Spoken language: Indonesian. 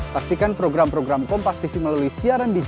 kaisang buat menyerahkan berkas ya bang